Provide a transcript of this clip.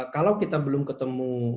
kalau kita belum ketemu